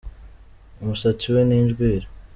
umusatsi we ni injwiri